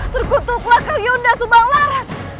terkutuklah kang yunda sumbalar